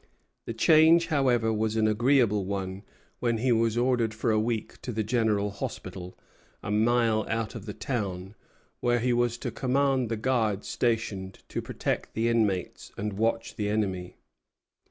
The change, however, was an agreeable one when he was ordered for a week to the General Hospital, a mile out of the town, where he was to command the guard stationed to protect the inmates and watch the enemy.